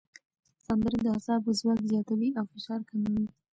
سندرې د اعصابو ځواک زیاتوي او فشار کموي.